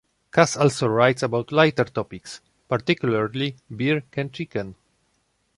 Kass also writes about lighter topics, particularly beer can chicken.